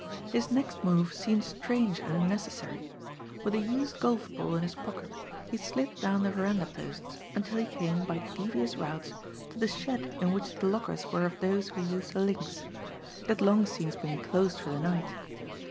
His next move seemed strange and unnecessary. With a used golf ball in his pocket, he slid down the veranda posts until he came, by devious routes, to the shed in which the lockers were of those who used the links. It had long since been closed for the night.